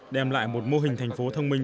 đem lại một mô hình thành phố thông minh